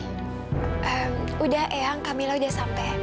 ehm udah eang kamila udah sampai